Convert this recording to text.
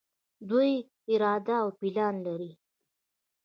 دوی اراده او پلان لري.